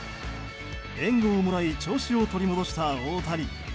援護をもらい調子を取り戻した大谷。